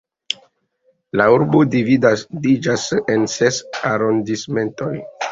La urbo dividiĝas en ses arondismentoj.